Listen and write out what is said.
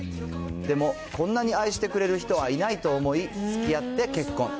でもこんなに愛してくれる人はいないと思い、つきあって結婚。